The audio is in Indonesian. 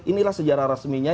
inilah sejarah resminya